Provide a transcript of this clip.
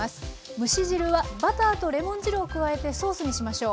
蒸し汁はバターとレモン汁を加えてソースにしましょう。